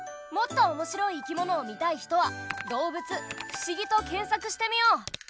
もっとおもしろい生き物を見たい人は「動物」「不思議」と検さくしてみよう。